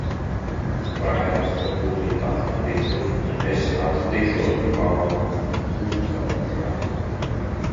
Bailes, ka tūlīt atmodīšos un es atradīšos Paula kūtsaugšā.